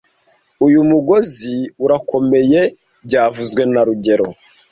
Uyu mugozi urakomeye byavuzwe na rugero